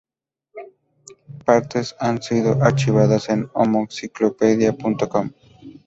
Partes han sido archivadas en homoencyclopedia.com.